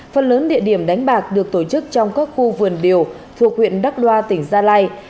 phần lớn địa điểm đánh bạc được tổ chức trong các khu vườn điều thuộc huyện đắc đoa tỉnh gia lai